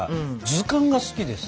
図鑑が好きでさ。